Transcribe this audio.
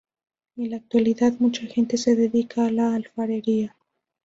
En la actualidad, mucha gente se dedica a la alfarería.